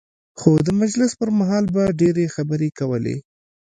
خو د مجلس پر مهال به ډېرې خبرې کولې.